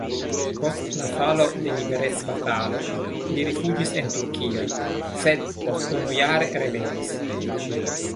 Post la falo de liberecbatalo li rifuĝis en Turkion, sed post unu jaro revenis.